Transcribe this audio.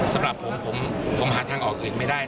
สำหรับผมผมหาทางออกอื่นไม่ได้